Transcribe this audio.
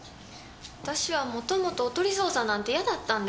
私はもともとおとり捜査なんて嫌だったんです。